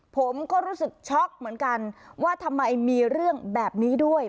ผมก็รู้สึกช็อกเหมือนกันว่าทำไมมีเรื่องแบบนี้ด้วย